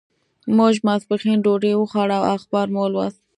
موږ ماسپښین ډوډۍ وخوړه او اخبار مو ولوست.